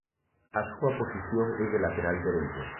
A súa posición é de lateral dereito.